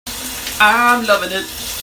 I'm loving it.